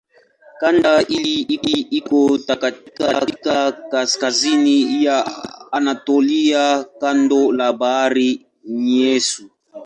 Kanda hii iko katika kaskazini ya Anatolia kando la Bahari Nyeusi.